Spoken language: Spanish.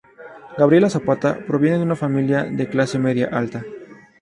Gabriela Zapata proviene de una familia de Clase Media-Alta.